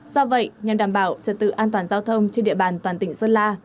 do vậy nhằm đảm bảo trật tự an toàn giao thông trên địa bàn toàn tỉnh sơn la